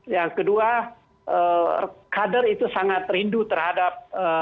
yang kedua kader itu sangat rindu terhadap